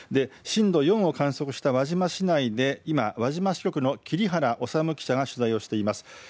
震度４を観測した輪島市内で今、輪島市局の桐原司記者が取材をしています。